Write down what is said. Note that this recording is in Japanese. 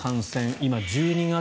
今、１２月。